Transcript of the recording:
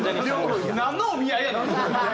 なんのお見合いやねん！